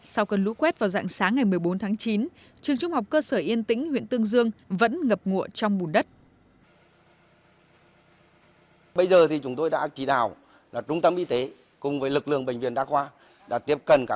sau cơn lũ quét vào dạng sáng ngày một mươi bốn tháng chín trường trung học cơ sở yên tĩnh huyện tương dương vẫn ngập ngụa trong bùn đất